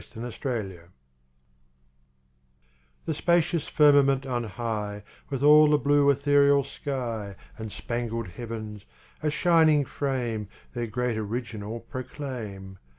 8 Autoplay The spacious firmament on high, With all the blue ethereal sky, And spangled heavens, a shining frame Their great Original proclaim.